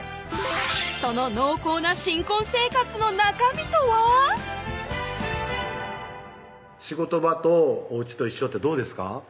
その濃厚な新婚生活の中身とは仕事場とおうちと一緒ってどうですか？